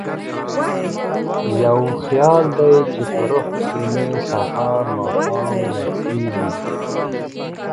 یو خیال دی چې په روح کې مې سهار ماښام نڅیږي